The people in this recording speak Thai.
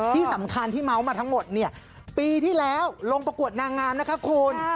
ที่สำคัญที่เมาส์มาทั้งหมดเนี่ยปีที่แล้วลงประกวดนางงามนะคะคุณ